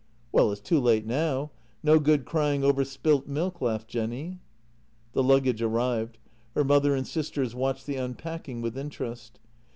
" JENNY 125 " Well, it's too late now; no good crying over spilt milk," laughed Jenny. The luggage arrived; her mother and sisters watched the unpacking with interest.